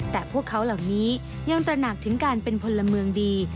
แต่พวกเขาเหล่านี้ยังตระหนักถึงการเป็นพลเมืองดี